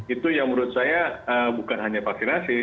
itu yang menurut saya bukan hanya vaksinasi